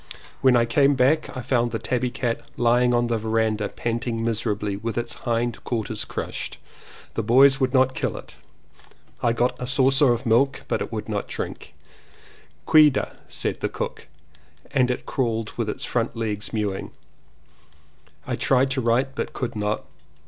When I came back I found the tabby cat lying on the verandah panting miserably and with its hind quarters crushed. The boys would not kill it. I got a saucer of milk, but it would not drink. "Kweda," said the cook, and it crawled with its front legs, mewing. I tried to write but could not.